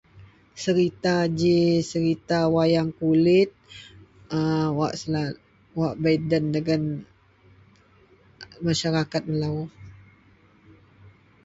Cerita ji wayang kulit ji wak bei den dagen masyarakat melo.